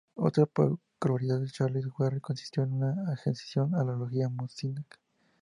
Otra peculiaridad de Charles Warren consistió en su adhesión a la logia masónica.